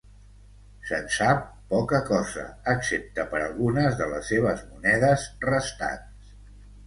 Se'n sap poca cosa, excepte per algunes de les seves monedes restants.